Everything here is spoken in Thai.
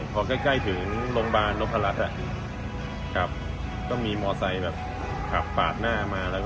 พอนก็ใกล้ถึงโรงพลาสไนก็มีมอเตอร์ไซค์ขับฝากหน้ามา